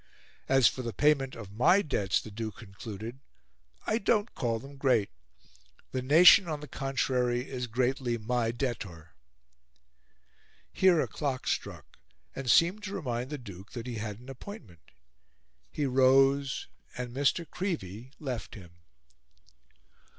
As for the payment of my debts," the Duke concluded, "I don't call them great. The nation, on the contrary, is greatly my debtor." Here a clock struck, and seemed to remind the Duke that he had an appointment; he rose, and Mr. Creevey left him.